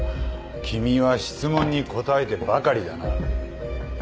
君は質問に答えてばかりだな。